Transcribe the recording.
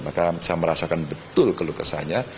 maka saya merasakan betul kelukesannya